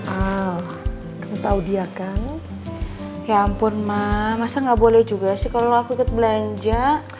oh tahu dia kan ya ampun mah masa nggak boleh juga sih kalau aku ikut belanja